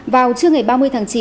vào trưa ngày ba mươi tháng chín